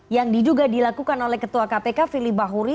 yang diduga dilakukan oleh ketua kpk fili bahuri